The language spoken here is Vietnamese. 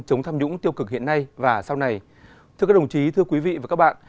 cảm ơn các bạn